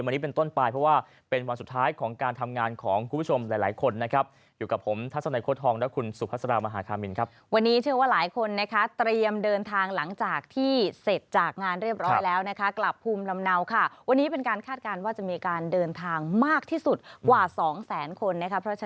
วันนี้เป็นต้นไปเพราะว่าเป็นวันสุดท้ายของการทำงานของคุณผู้ชมหลายหลายคนนะครับอยู่กับผมทัศนัยโค้ทองและคุณสุภาษามหาคามินครับวันนี้เชื่อว่าหลายคนนะคะเตรียมเดินทางหลังจากที่เสร็จจากงานเรียบร้อยแล้วนะคะกลับภูมิลำเนาค่ะวันนี้เป็นการคาดการณ์ว่าจะมีการเดินทางมากที่สุดกว่าสองแสนคนนะคะ